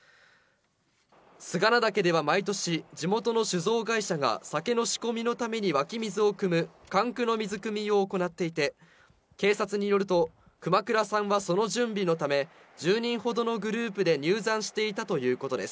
菅名岳では毎年、地元の酒造会社が酒の仕込みのために湧き水をくむ、寒九の水くみを行っていて、警察によると、熊倉さんはその準備のため、１０人ほどのグループで入山していたということです。